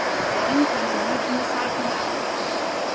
Then came a nudge in the side from Allan.